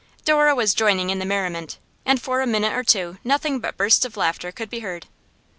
Dora was joining in the merriment, and for a minute or two nothing but bursts of laughter could be heard.